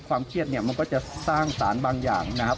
ความเครียดมันก็จะสร้างสารบางอย่างนะครับ